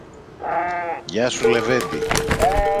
Γεια σου, λεβέντη!